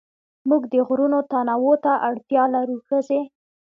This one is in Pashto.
موږ د غږونو تنوع ته اړتيا لرو ښځې